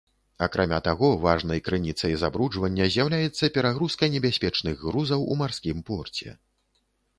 Акрамя таго, важнай крыніцай забруджвання з'яўляецца перагрузка небяспечных грузаў у марскім порце.